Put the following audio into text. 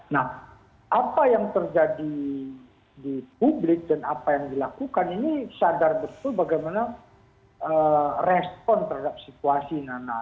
nah apa yang terjadi di publik dan apa yang dilakukan ini sadar betul bagaimana respon terhadap situasi nana